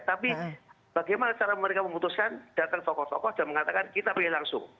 tapi bagaimana cara mereka memutuskan datang tokoh tokoh dan mengatakan kita pilih langsung